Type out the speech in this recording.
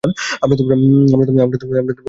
আমরা তো বলি এই আমাদের সম্মান।